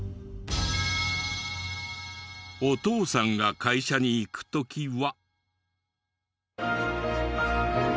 お父さんが会社に行く時は。